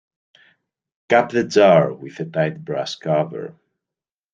Cap the jar with a tight brass cover.